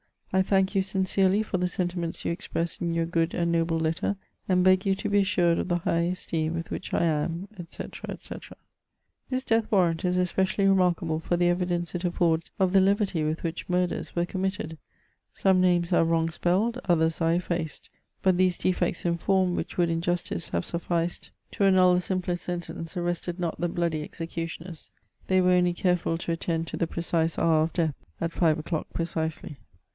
I thank you sincerely for the sentiments you express in your good and noble letter, and beg you to be assured of the high esteem with which I am, &c., &cJ' This death warrant is especially remarkable for the evidence it affords of the levity with wmch murders were committed ; some names are wrong spelled ; others are effaced ; but these defects in form, which would in justice have sufficed to annul the 386 MEMOIBS OF simplest sentence, arrested not the bloody executioners ; they were only careful to attend to the precise^hour of death : ai Jive o clock precisely.